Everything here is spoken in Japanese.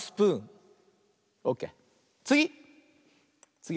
つぎ！